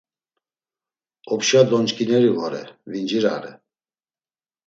Opşa donçgineri vore, vincirare.